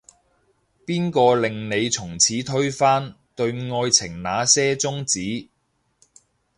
邊個令你從此推翻，對愛情那些宗旨